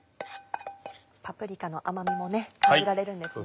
パプリカの甘みも感じられるんですね。